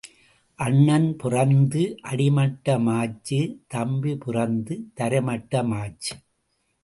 அண்ணன் பிறந்து அடிமட்டம் ஆச்சு தம்பி பிறந்து தரைமட்டம் ஆச்சு.